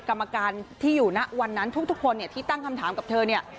กรรมการที่อยู่ณวันนั้นทุกคนเนี่ยที่ตั้งคำถามกับเธอเนี่ย